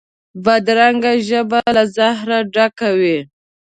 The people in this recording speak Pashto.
بدرنګه ژبه له زهره ډکه وي